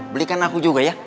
belikan aku juga ya